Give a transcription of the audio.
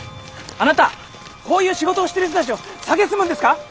あなたこういう仕事をしている人たちを蔑むんですか？